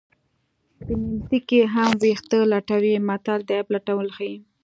په نیمڅي کې هم ویښته لټوي متل د عیب لټون ښيي